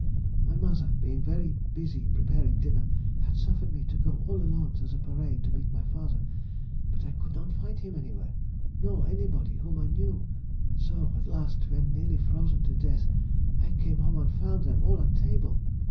"My mother being very busy preparing dinner, had suffered me to go all alone to the parade to meet my father, but I could not find him anywhere, nor anybody whom I knew; so at last, when nearly frozen to death, I came home and found them all at table.